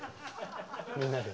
みんなで。